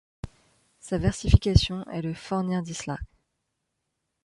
Sa versification est le fornyrðislag.